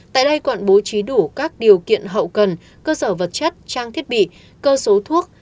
tại đây quận bố trí đủ các điều kiện hậu cần cơ sở vật chất trang thiết bị cơ số thuốc